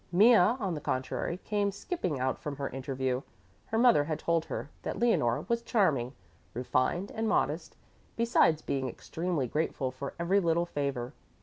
Mea, on the contrary, came skipping out from her interview. Her mother had told her that Leonore was charming, refined and modest, besides being extremely grateful for every little favor.